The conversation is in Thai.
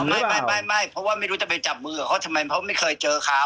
ไม่ไม่ไม่เพราะว่าไม่รู้จะไปจับมือเพราะไม่เคยเจอเขา